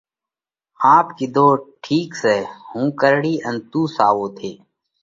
ۿاپ ڪِيڌو: ٺِيڪ سئہ، هُون ڪرڙِيه ان ساوو تُون ٿي۔